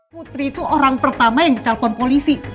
putri itu orang pertama yang ditelepon polisi